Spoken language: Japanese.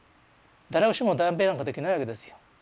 誰しも代弁なんかできないわけですよ。